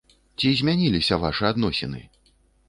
Ці змяніліся вашы адносіны?